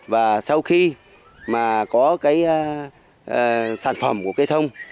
và sau khi mà có cái sản phẩm của cây thông